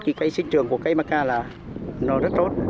thì cây sinh trường của cây maca là nó rất tốt